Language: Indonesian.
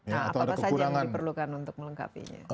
apa saja yang diperlukan untuk melengkapinya